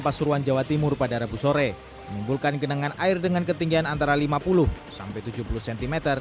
pasuruan jawa timur pada rabu sore menimbulkan genangan air dengan ketinggian antara lima puluh sampai tujuh puluh cm